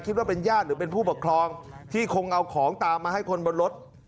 ว่าเป็นญาติหรือเป็นผู้ปกครองที่คงเอาของตามมาให้คนบนรถ